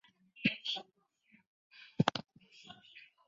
皱波球根鸦葱为菊科鸦葱属的植物。